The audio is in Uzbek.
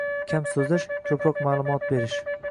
Kam so‘zlash – ko‘proq ma’lumot berish.